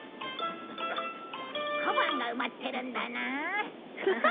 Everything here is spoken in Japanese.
小判が埋まってるんだな？